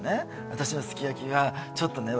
私のすき焼きがちょっとね